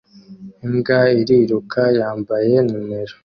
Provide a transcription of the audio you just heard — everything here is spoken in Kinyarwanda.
Imbwa iriruka yambaye numero